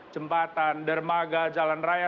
jembatan dermaga jalan raya